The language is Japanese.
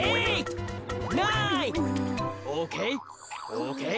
オーケー？